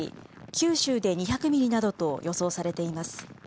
九州で２００ミリなどと予想されています。